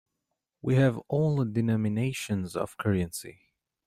We have all denominations of currency.